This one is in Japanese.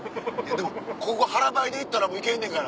でもここ腹ばいで行ったら行けんねんから。